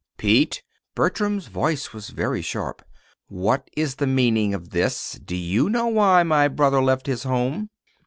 "Pete," Bertram's voice was very sharp "what is the meaning of this? Do you know why my brother left his home?"